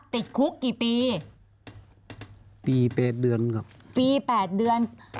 ติดคุกกี่ปีปี๘เดือนครับปีแปดเดือน